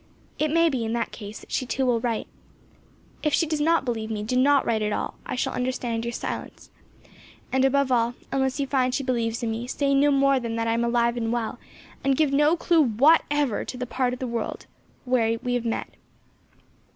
It may be, in that case, she too will write. If she does not believe in me, do not write at all; I shall understand your silence; and, above all, unless you find she believes in me, say no more than that I am alive and well, and give no clue whatever to the part of the world where we have met."